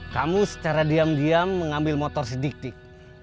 kamu secara diam diam mengambil motor sidik dik